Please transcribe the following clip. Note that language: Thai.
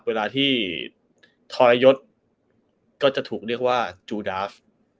เวลาที่ทรยศก็จะถูกเรียกว่าจูดาฟ